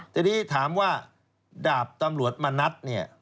ทีนี้ถามว่าดาบตำรวจมณัฐเนี่ย